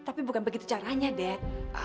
tapi bukan begitu caranya dek